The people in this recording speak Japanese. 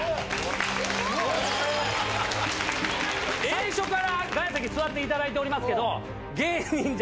最初からガヤ席座っていただいておりますけど。